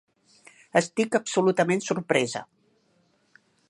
Estic absolutament sorpresa.